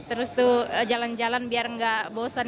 terus tuh jalan jalan biar nggak bosan